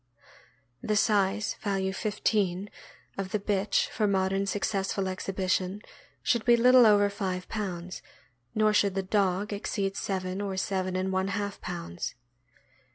The size (value 15) of the bitch for modern successful exhibition should be little over five pounds, nor should the dog exceed seven or seven and one half pounds.